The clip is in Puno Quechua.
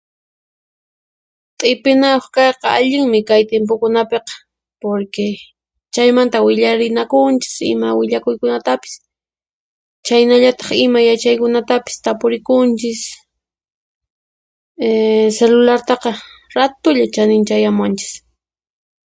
T'ipinayuq kayqa allinmi kay timpukunapiqa, porque chaymanta willarinakunchis ima willakuykunatapis, chhaynallataq ima yachaykunatapis tapurikunchis eh celulartaqa ratulla chaninchayamuwanchis.